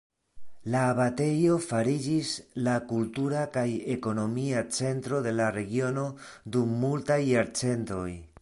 La abatejo fariĝis la kultura kaj ekonomia centro de la regiono dum multaj jarcentoj.